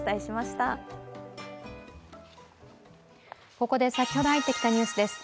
ここで先ほど入ってきたニュースです。